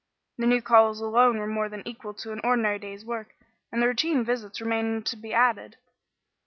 The new calls alone were more than equal to an ordinary day's work, and the routine visits remained to be added.